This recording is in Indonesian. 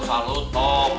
oh selalu top